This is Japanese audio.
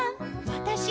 「わたし？